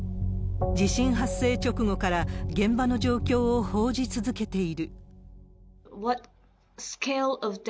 地震発生直後から、現場の状況を報じ続けている。